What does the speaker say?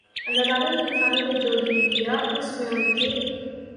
اللہ تعالی نے انسانوں کو جو دین دیا اس میں ان کے